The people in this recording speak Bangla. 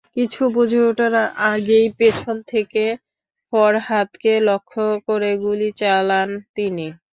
কিছু বুঝে ওঠার আগেই পেছন থেকে ফরহাদকে লক্ষ্য করে গুলি চালান তিনি।